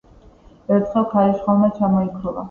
ერთხელ ქარიშხალმა ჩამოიქროლა.